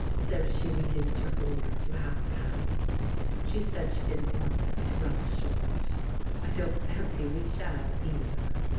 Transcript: So she reduced her order to half a pound. She said she didn't want us to run short. (I don't fancy we shall, either!)